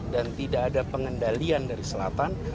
tidak ada pengendalian dari selatan